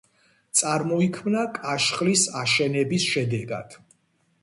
წარმოიქმნა კაშხლის აშენების შედეგად.